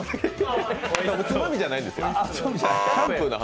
おつまみじゃないですよ。